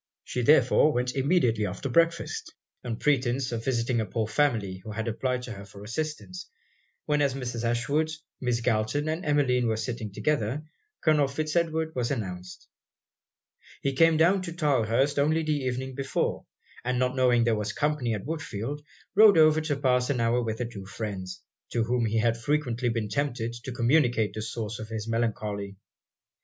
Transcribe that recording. She therefore went immediately after breakfast, on pretence of visiting a poor family who had applied to her for assistance; when as Mrs. Ashwood, Miss Galton and Emmeline, were sitting together, Colonel Fitz Edward was announced. He came down to Tylehurst only the evening before; and not knowing there was company at Woodfield, rode over to pass an hour with the two friends, to whom he had frequently been tempted to communicate the source of his melancholy.